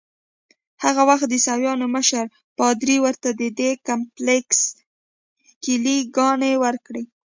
هغه وخت د عیسویانو مشر پادري ورته ددې کمپلیکس کیلې ګانې ورکړې.